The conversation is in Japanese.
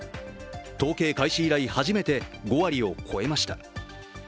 統計開始以来初めて５割を超えました。